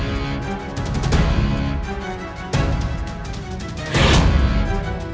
aku dilahirkan bukan menjadi penakut kuranda geni